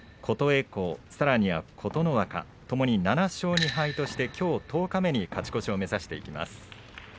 琴恵光、さらには琴ノ若ともに７勝２敗としてきょう十日目に勝ち越しを目指していきます。